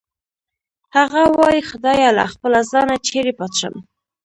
هغه وایی خدایه له خپله ځانه چېرې پټ شم